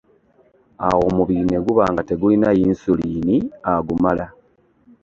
Awo omubiri ne guba nga tegulina Yinsuliini agumala.